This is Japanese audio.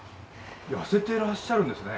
痩せてらっしゃるんですね。